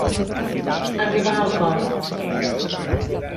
Arribar al cor.